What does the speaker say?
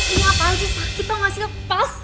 ini apaan sih sakit dong masih lepas